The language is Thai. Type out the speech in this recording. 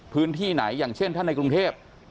พื้นที่ไหนอย่างเช่นท่านในกรุงเทพ